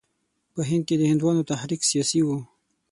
په هند کې د هندوانو تحریک سیاسي وو.